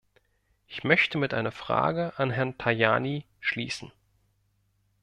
Ich möchte mit einer Frage an Herrn Tajani schließen.